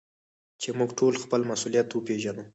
چي موږ ټول خپل مسؤليت وپېژنو.